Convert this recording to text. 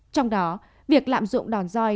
trong đó việc lạm dụng đòn roi